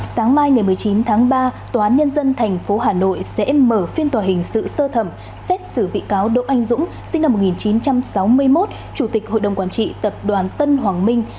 sáng mai ngày một mươi chín tháng ba tòa án nhân dân tp hà nội sẽ mở phiên tòa hình sự sơ thẩm xét xử bị cáo đỗ anh dũng sinh năm một nghìn chín trăm sáu mươi một chủ tịch hội đồng quản trị tập đoàn tân hoàng minh